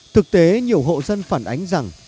thực tế nhiều hộ dân phản ánh rằng